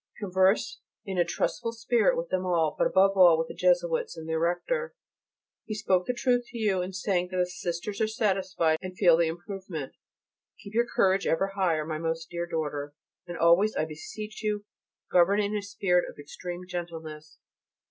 Converse in a trustful spirit with them all, but above all with the Jesuits and their Rector. He spoke the truth to you in saying that the Sisters are satisfied and feel the improvement. Keep your courage ever higher, my most dear daughter, and always, I beseech you, govern in a spirit of extreme gentleness.